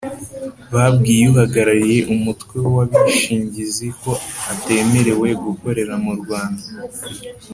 Babwiye Uhagarariye umutwe w abishingizi ko atemerewe gukorera mu Rwanda